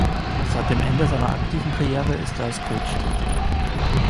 Seit dem Ende seiner aktiven Karriere ist er als Coach tätig.